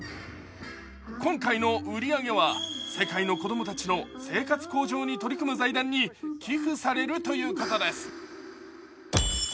今回の売り上げは世界の子供たちの生活向上に取り組む財団に寄付されるということです。